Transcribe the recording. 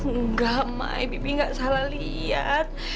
engga mai bibi gak salah liat